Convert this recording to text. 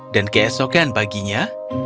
dan keesokan paginya